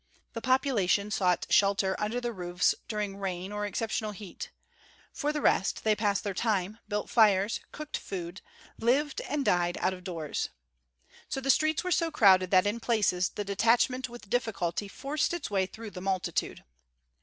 The population sought shelter under the roofs during rain or exceptional heat; for the rest they passed their time, built fires, cooked food, lived, and died out of doors. So the streets were so crowded that in places the detachment with difficulty forced its way through the multitude.